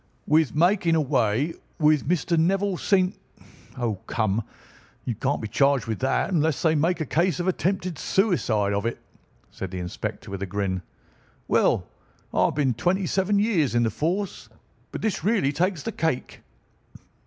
"With making away with Mr. Neville St.— Oh, come, you can't be charged with that unless they make a case of attempted suicide of it," said the inspector with a grin. "Well, I have been twenty seven years in the force, but this really takes the cake."